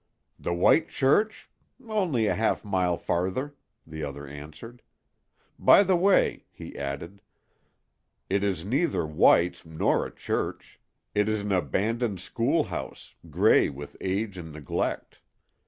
"The White Church? Only a half mile farther," the other answered. "By the way," he added, "it is neither white nor a church; it is an abandoned schoolhouse, gray with age and neglect.